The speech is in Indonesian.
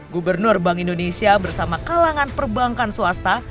gubernur bank indonesia bersama kalangan perbankan swasta